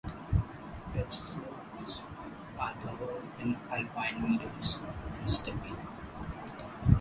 Its slopes are covered in alpine meadows and steppe.